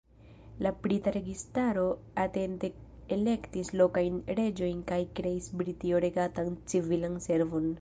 La brita registaro atente elektis lokajn reĝojn kaj kreis britio-regatan civilan servon.